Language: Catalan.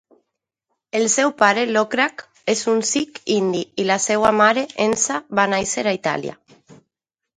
El seu pare, Lokraj, és un sikh indi i la seva mare, Enza, va néixer a Itàlia.